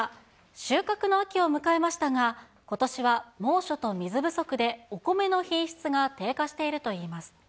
収穫の秋を迎えましたが、ことしは猛暑と水不足で、お米の品質が低下しているといいます。